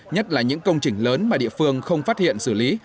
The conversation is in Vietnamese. nhất là những công trình lớn mà địa phương không phát hiện xử lý